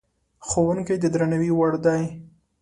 ښوونکی د درناوي وړ دی.